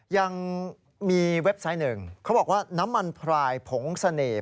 ยังมีเว็บไซต์หนึ่งเขาบอกว่าน้ำมันพรายผงเสน่ห์